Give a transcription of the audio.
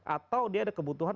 atau dia ada kebutuhan